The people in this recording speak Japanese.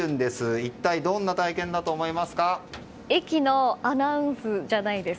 一体どんな体験だと思いますか？